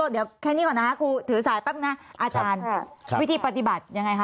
เดี๋ยวแค่นี้ก่อนนะคะครูถือสายแป๊บนะอาจารย์วิธีปฏิบัติยังไงคะ